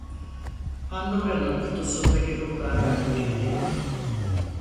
Pandora'nın kutusundaki ruhlardan biriydi.